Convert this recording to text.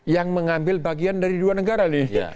yang mengambil bagian dari dua negara nih